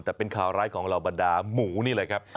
แต่เป็นข่าวร้ายของเหล่าบรรดาหมูนี่แหละครับ